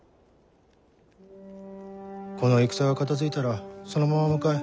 この戦が片づいたらそのまま向かえ。